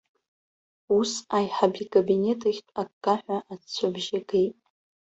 Ус аиҳабы икабинет ахьтә аккаҳәа аҵәҵәабжьы геит.